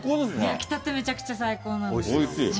焼きたて、めちゃめちゃ最高なんですよ。